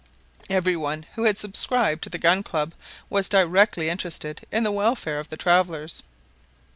Every one who had subscribed to the Gun Club was directly interested in the welfare of the travelers.